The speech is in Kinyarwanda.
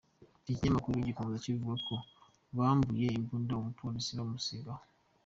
Iki kinyamakuru gikomeza kivuga ko bambuye imbunda uwo mu polisi bamusiga aho.